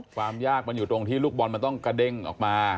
ความยากมันอยู่ตรงที่ลูกบอลมันต้องกระเด้งออกมา